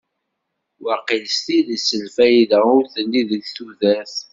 Waqil s tidet lfayda ur telli deg tudert.